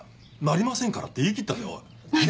なりませんからって言い切ったぜおい。